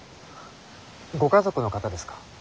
ご家族の方ですか？